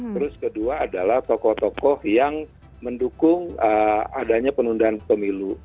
terus kedua adalah tokoh tokoh yang mendukung adanya penundaan pemilu